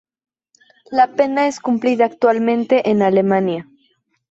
La pena es cumplida actualmente en Alemania.